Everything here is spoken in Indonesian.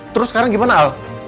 terus sekarang gimana al